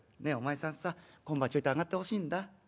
『ねえお前さんさ今晩ちょいと上がってほしいんだ。